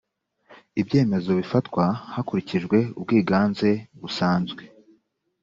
ibyemezo bifatwa hakurikijwe ubwiganze busanzwe